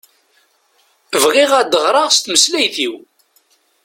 Bɣiɣ ad ɣreɣ s tmeslayt-iw.